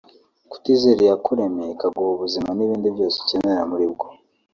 Kutizera iyakuremye ikaguha ubuzima n’ibindi byose ukenera muri bwo